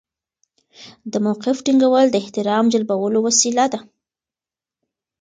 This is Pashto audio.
د موقف ټینګول د احترام جلبولو وسیله ده.